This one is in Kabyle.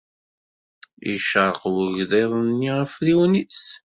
Icerreq wegḍiḍ-nni afriwen-nnes.